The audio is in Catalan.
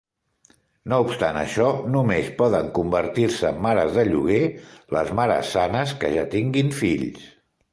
No obstant això, només poden convertir-se en mares de lloguer les mares sanes que ja tinguin fills.